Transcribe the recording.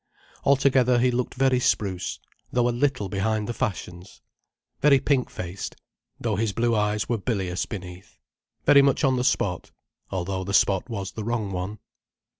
Altogether he looked very spruce, though a little behind the fashions: very pink faced, though his blue eyes were bilious beneath: very much on the spot, although the spot was the wrong one.